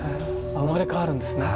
生まれ変わるんですね。